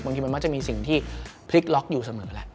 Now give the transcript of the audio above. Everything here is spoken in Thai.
บางทีมันมักจะมีสิ่งที่พลิกล็อกอยู่เสมอแหละ